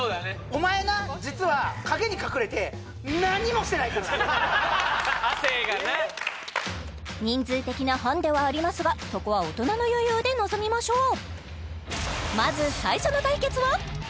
お前な亜生がな人数的なハンデはありますがそこは大人の余裕で臨みましょう